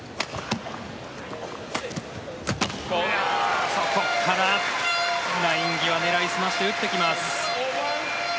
あそこからライン際狙いすまして打ってきます。